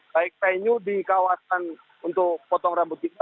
baik venue di kawasan untuk potong rambut kita